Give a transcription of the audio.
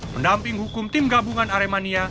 pendamping hukum tim gabungan aremania